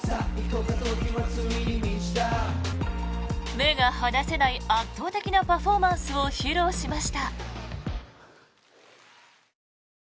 目が離せない圧倒的なパフォーマンスを披露しました。